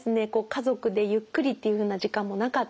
家族でゆっくりっていうふうな時間もなかったり。